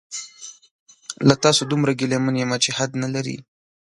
له تاسو دومره ګیله من یمه چې حد نلري